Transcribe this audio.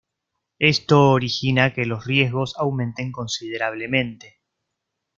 Esto origina que los riesgos aumenten considerablemente.